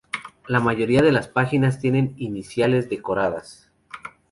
La mayoría de las páginas tienen iniciales decoradas.